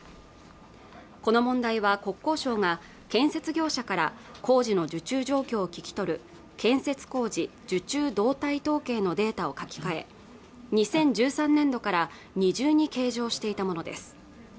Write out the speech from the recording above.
この問題は国交省が建設業者から工事の受注状況を聞き取る建設工事受注動態統計のデータを書き換え２０１３年度から二重に計上していたものです